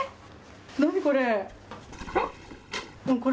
何これ。